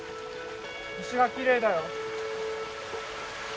星がきれいだよ。